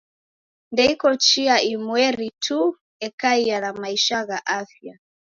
Ndeiko chia imweri tu ekaia na maisha gha afya.